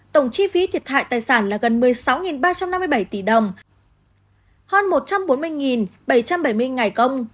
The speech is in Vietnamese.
tổng chi phí thiệt hại tài sản là gần một mươi sáu ba trăm năm mươi bảy tỷ đồng hơn một trăm bốn mươi bảy trăm bảy mươi ngày công